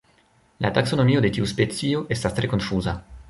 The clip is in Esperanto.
La taksonomio de tiu specio estas tre konfuza.